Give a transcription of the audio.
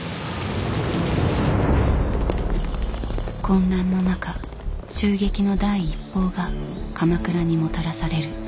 混乱の中襲撃の第一報が鎌倉にもたらされる。